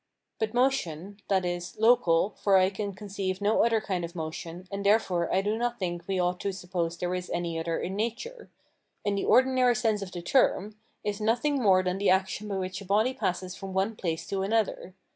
But motion (viz., local, for I can conceive no other kind of motion, and therefore I do not think we ought to suppose there is any other in nature), in the ordinary sense of the term, is nothing more than the action by which a body passes from one place to another.